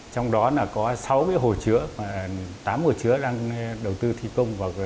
trong đó có sáu hồ chứa tám hồ chứa đang đầu tư thị công